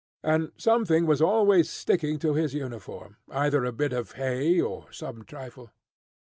And something was always sticking to his uniform, either a bit of hay or some trifle.